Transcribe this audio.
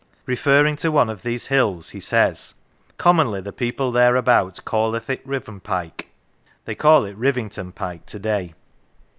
Referring to one of these hills he says :" Commonly the people thereabout calleth it Rivenpike." They call it Rivington Pike to day.